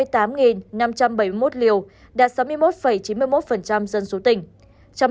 tiêm mũi hai bảy trăm năm mươi tám năm trăm bảy mươi một liều đạt sáu mươi một chín mươi một dân số tỉnh